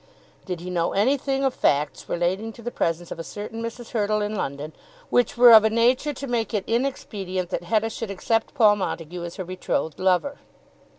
Did he know anything of facts relating to the presence of a certain Mrs. Hurtle in London which were of a nature to make it inexpedient that Hetta should accept Paul Montague as her betrothed lover?